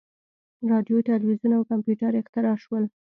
• راډیو، تلویزیون او کمپیوټر اختراع شول.